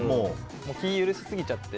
気を許しすぎちゃって。